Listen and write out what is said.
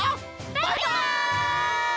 バイバイ！